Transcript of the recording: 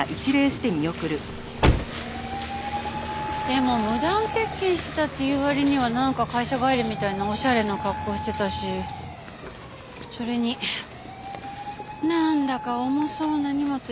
でも無断欠勤してたっていう割にはなんか会社帰りみたいなおしゃれな格好してたしそれになんだか重そうな荷物いっぱい持って。